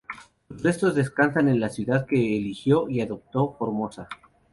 Sus restos descansan en la ciudad que eligió y adoptó, Formosa.